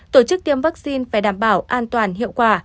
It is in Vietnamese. tổ chức tiêm vaccine phải đảm bảo an toàn hiệu quả